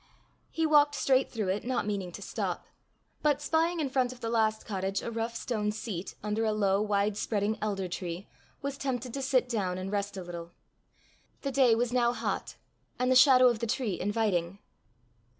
He walked straight through it not meaning to stop; but, spying in front of the last cottage a rough stone seat under a low, widespreading elder tree, was tempted to sit down and rest a little. The day was now hot, and the shadow of the tree inviting.